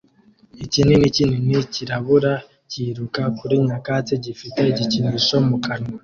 Ikinini kinini cyirabura kiruka kuri nyakatsi gifite igikinisho mu kanwa